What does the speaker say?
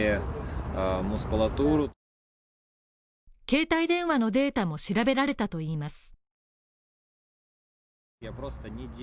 携帯電話のデータも調べられたといいます。